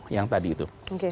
yang tadi itu